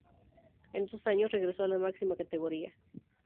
En dos años, regresó a la máxima categoría.